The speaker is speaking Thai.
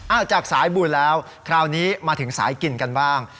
จากสายบุญแล้วคราวนี้มาถึงสายกินกันบ้าง